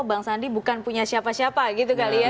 bang sandi bukan punya siapa siapa gitu kali ya